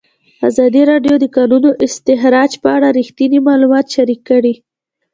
ازادي راډیو د د کانونو استخراج په اړه رښتیني معلومات شریک کړي.